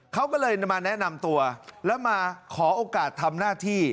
เขาก็เลยมาแนะนำตัวแล้วมาขอโอกาสทำหน้าที่